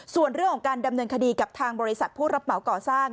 ส่วนเรื่องของการดำเนินคดีกับทางบริษัทผู้รับเหมาก่อสร้าง